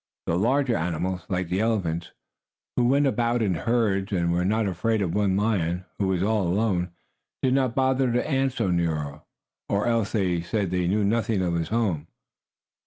The larger animals, like the elephants, who went about in herds, and who were not afraid of one lion who was all alone, did not bother to answer Nero, or else they said they knew nothing of his home.